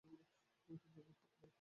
গুরুত্বপূর্ণ ফোন হতে পারে।